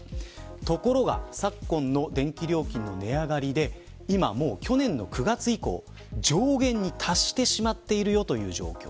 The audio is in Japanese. ところが、昨今の電気料金の値上がりで今もう去年の９月以降上限に達してしまっているという状況。